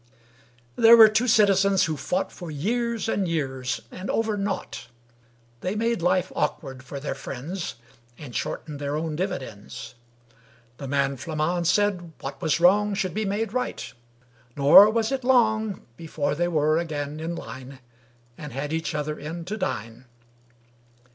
There were two citizens who fought For years and years, and over nought; They made life awkward for their friends, And shortened their own dividends. The man Flammonde said what was wrong Should be made right; nor was it long Before they were again in line And had each other in to dine.